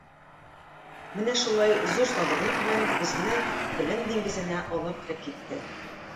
Менә шулай зур сабырлык белән безне белем диңгезенә алып кереп китте.